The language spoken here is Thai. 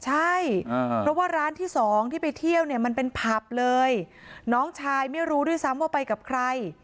ใช่เพราะว่าร้านที่สองที่ไปเที่ยวเนี่ยมันเป็นผับเลยน้องชายไม่รู้ด้วยซ้ำว่าไปกับใคร